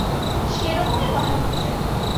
সেরকমই মনে হচ্ছে।